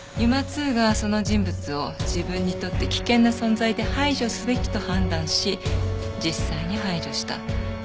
ＵＭＡ−Ⅱがその人物を自分にとって危険な存在で排除すべきと判断し実際に排除した。